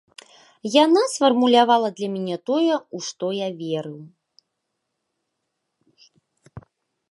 Яна сфармулявала для мяне тое, у што я верыў.